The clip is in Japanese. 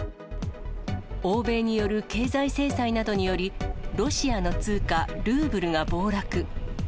欧米による経済制裁などにより、ロシアの通貨ルーブルが暴落。